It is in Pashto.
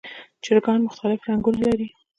چرګان مختلف رنګونه لري.